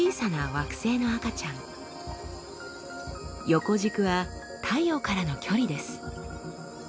横軸は太陽からの距離です。